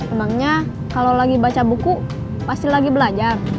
emangnya kalau lagi baca buku pasti lagi belajar